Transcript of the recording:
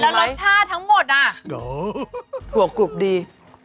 แล้วรสชาติทั้งหมดอ่ะถั่วกรุบดี